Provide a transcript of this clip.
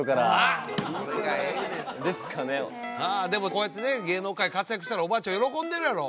こうやってね芸能界活躍したらおばあちゃん喜んでるやろ？